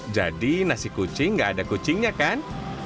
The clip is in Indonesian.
jadi nasi kucing nggak ada kucingnya kan